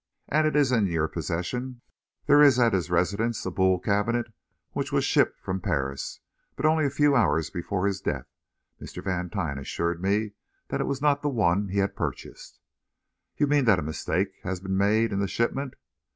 "And it is in your possession?" "There is at his residence a Boule cabinet which was shipped him from Paris, but, only a few hours before his death, Mr. Vantine assured me that it was not the one he had purchased." "You mean that a mistake had been made in the shipment?"